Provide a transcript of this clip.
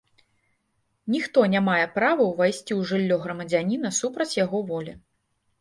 Ніхто не мае права ўвайсці ў жыллё грамадзяніна супраць яго волі.